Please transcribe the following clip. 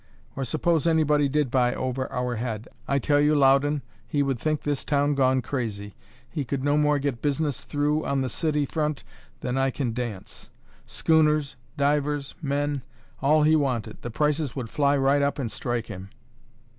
Or suppose anybody did buy over our head I tell you, Loudon, he would think this town gone crazy; he could no more get business through on the city front than I can dance; schooners, divers, men all he wanted the prices would fly right up and strike him."